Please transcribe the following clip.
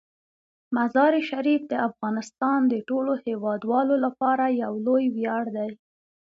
مزارشریف د افغانستان د ټولو هیوادوالو لپاره یو لوی ویاړ دی.